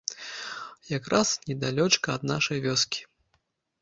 Якраз недалёчка ад нашай вёскі.